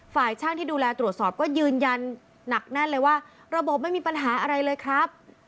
ฝ่ายช่างที่ดูแลตรวจสอบก็ยืนยันหนักแน่นเลยว่าระบบไม่มีปัญหาอะไรเลยครับ